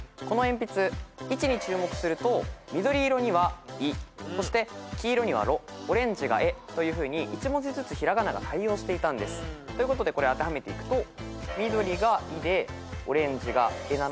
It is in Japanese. この鉛筆位置に注目すると緑色には「い」そして黄色には「ろ」オレンジが「え」というふうに１文字ずつ平仮名が対応していたんです。ということでこれ当てはめていくと緑が「い」でオレンジが「え」